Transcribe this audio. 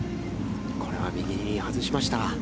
これは右に外しました。